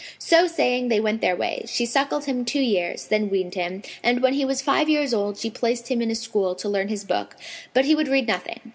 So saying they went their ways. She suckled him two years,[FN#509] then weaned him, and when he was five years old, she placed him in a school to learn his book, but he would read nothing.